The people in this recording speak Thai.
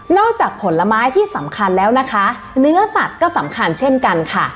จากผลไม้ที่สำคัญแล้วนะคะเนื้อสัตว์ก็สำคัญเช่นกันค่ะ